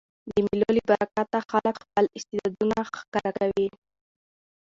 د مېلو له برکته خلک خپل استعدادونه ښکاره کوي.